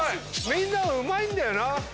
みんなうまいんだよな。